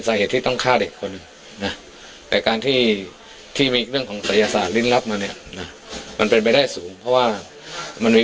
จำนวนมากที่ที่ถ้าในความคิดผมนะ